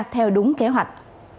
theo đúng kế hoạch